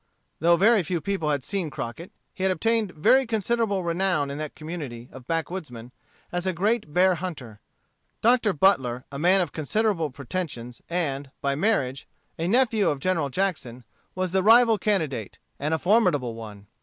Though very few people had seen Crockett, he had obtained very considerable renown in that community of backwoodsmen as a great bear hunter. Dr. Butler, a man of considerable pretensions, and, by marriage, a nephew of General Jackson, was the rival candidate, and a formidable one.